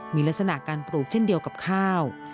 มีลักษณะการปลูกเช่นเดียวกับข้าว